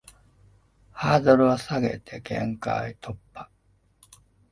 ハードルを下げて限界突破